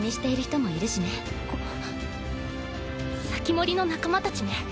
防人の仲間たちね。